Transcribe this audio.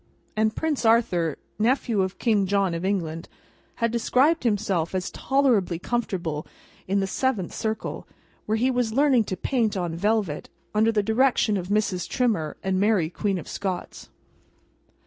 And Prince Arthur, nephew of King John of England, had described himself as tolerably comfortable in the seventh circle, where he was learning to paint on velvet, under the direction of Mrs. Trimmer and Mary Queen of Scots.